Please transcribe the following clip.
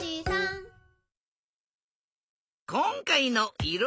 こんかいのいろ